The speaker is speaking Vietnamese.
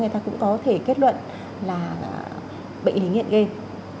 người ta cũng có thể kết luận là bệnh hình hiện game